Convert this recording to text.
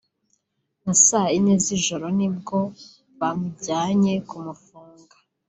nka saa ine z’ijoro ni bwo bamujyanye ku mufunga